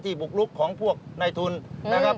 บุกลุกของพวกในทุนนะครับ